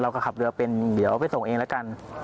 ขับเรือเป็นเดี๋ยวไปส่งเองแล้วกัน